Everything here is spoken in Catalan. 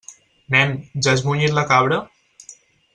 Nen, ja has munyit la cabra?